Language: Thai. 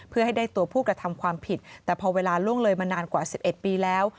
เพื่อให้ได้ตัวผู้กระทำความผิดแต่พอเวลาล่วงเลยมานานกว่า๑๑ปีแล้ว